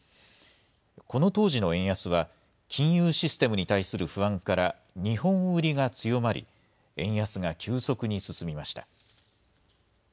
この当時の円安は、金融システムに対する不安から日本売りが強まり、円安が急速に進みました。